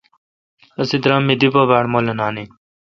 اسی درام می دی پہ باڑ اؘمولانان این۔